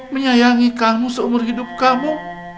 menyayangi kamu seumur hidup kamu